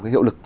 cái hiệu lực